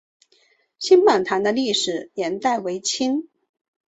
新坂堂的历史年代为清。